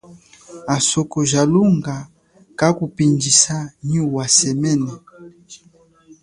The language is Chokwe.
Asoko ja lunga kakupindjisa nyi wa semene.